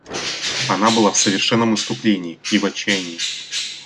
Она была в совершенном исступлении и – в отчаянии.